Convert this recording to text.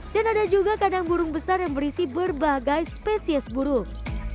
dan ada juga kadang burung besar yang berisi berbagai spesies burung